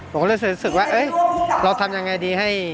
ผมก็เลยรู้สึกว่าเราทำยังไงดีให้